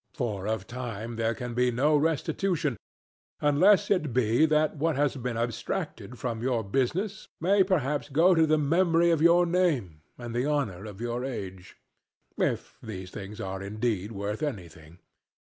For of time there can be no restitution, unless it be that what has been abstracted from your business may perhaps go to the memory of your name and the honour of your age; if these things are indeed worth anything.